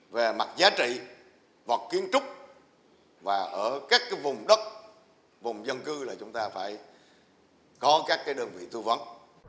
về mặt giá trị hoặc kiến trúc và ở các vùng đất vùng dân cư là chúng ta phải có các đơn vị thư vấn